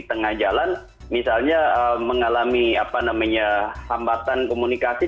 ditengah jalan misalnya mengalami hambatan komunikasi